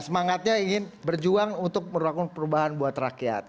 semangatnya ingin berjuang untuk melakukan perubahan buat rakyat